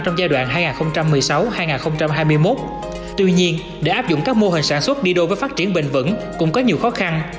trong giai đoạn hai nghìn một mươi sáu hai nghìn hai mươi một tuy nhiên để áp dụng các mô hình sản xuất đi đôi với phát triển bền vững cũng có nhiều khó khăn